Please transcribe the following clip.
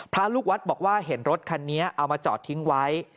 พระลูกวัดบอกว่าเห็นรถคันนี้เอามาจอดทิ้งไว้